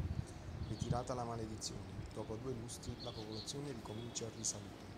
Ritirata la maledizione, dopo due lustri, la popolazione ricomincia a risalire.